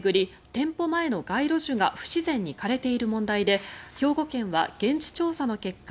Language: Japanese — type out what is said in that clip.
店舗前の街路樹が不自然に枯れている問題で兵庫県は現地調査の結果